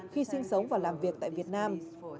khi sinh sống và làm việc tại việt nam